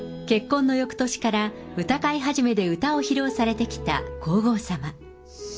結婚のよくとしから、歌会始で歌を披露されてきた皇后さま。